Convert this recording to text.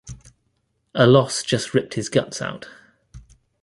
A loss just ripped his guts out.